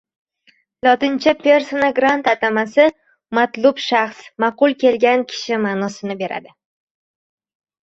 Lotincha persona grata atamasi matlub shaxs, ma’qul keladigan kishi ma’nosini beradi.